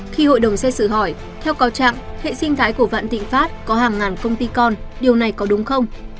khi hội đồng xét xử hỏi theo cáo trạng hệ sinh thái của vạn thịnh pháp có hàng ngàn công ty con điều này có đúng không